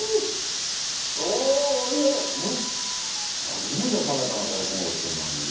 初めて食べたな大根おろしとうなぎ。